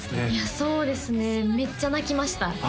そうですねめっちゃ泣きました